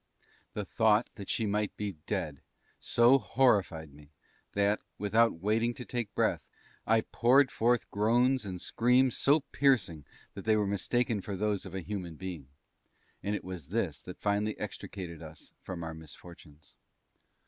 The thought that she might be dead so horrified me that, without waiting to take breath, I poured forth groans and screams so piercing that they were mistaken for those of a human being and it was this that finally extricated us from our misfortunes.